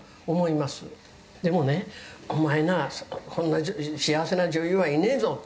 「でもね“お前なこんな幸せな女優はいねえぞ”ってね」